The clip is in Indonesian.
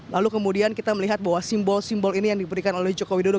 lalu kemudian kita melihat bahwa simbol simbol ini yang diberikan oleh jokowi dodo